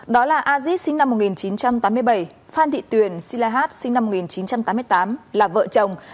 đó là aziz sinh năm một nghìn chín trăm tám mươi bảy phan thị tuyền silahat sinh năm một nghìn chín trăm tám mươi tám là vợ chồng